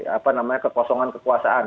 apa namanya kekosongan kekuasaan